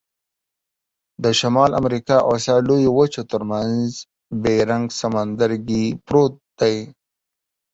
د شمال امریکا او آسیا لویو وچو ترمنځ بیرنګ سمندرګي پروت دی.